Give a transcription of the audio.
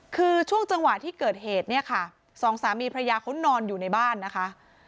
คือช่วงจังหวะที่เกิดเหตุเนี่ยค่ะสองสามีพระยาเขานอนอยู่ในบ้านนะคะ